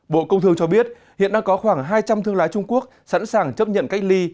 bộ công thương cho biết hiện đang có khoảng hai trăm linh thương lái trung quốc sẵn sàng chấp nhận cách ly